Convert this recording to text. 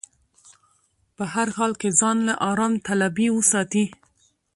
په هر حال کې ځان له ارام طلبي وساتي.